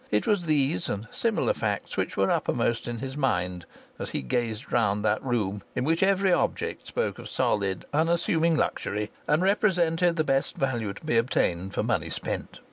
it was these and similar facts which were uppermost in his mind as he gazed round that room, in which every object spoke of solid, unassuming luxury and represented the best value to be obtained for money spent.